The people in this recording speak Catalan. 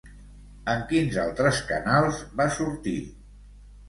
En quins altres canals va sortir?